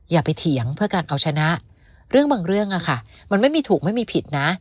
อย่าไปเถียงเพื่อการเอาชนะเรื่องบางเรื่องอะค่ะมันไม่มีถูกไม่มีผิดนะ